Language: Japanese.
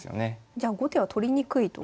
じゃあ後手は取りにくいと。